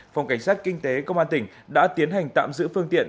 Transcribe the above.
phòng cảnh sát kinh tế công an tỉnh đã tiến hành tạm giữ phương tiện